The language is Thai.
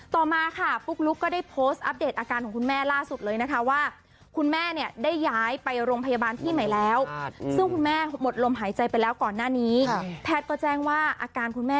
ต่อมาค่ะปุ๊กลุ๊กก็ได้โพสต์อัปเดตอาการของคุณแม่ล่าสุดเลยนะคะว่า